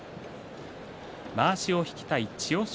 まわしを引きたい千代翔